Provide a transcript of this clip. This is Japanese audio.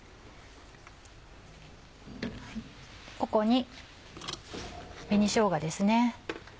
ここに紅しょうがですね。